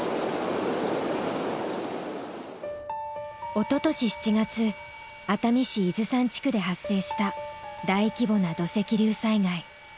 おととし７月熱海市伊豆山地区で発生した大規模な土石流災害。